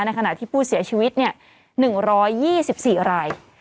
ในขณะที่ผู้เสียชีวิตเนี่ยหนึ่งร้อยยี่สิบสี่ราย